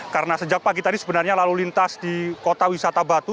karena sejak pagi tadi sebenarnya lalu lintas di kota wisata batu